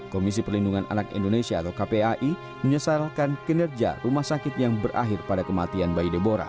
komisi perlindungan anak indonesia atau kpai menyesalkan kinerja rumah sakit yang berakhir pada kematian bayi debora